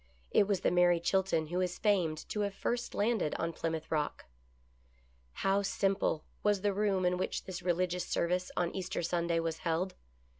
It was the Mary Chilton who is famed to have first landed on Plymouth Rock. How simple was the room in which this religious service on Easter Sunday was held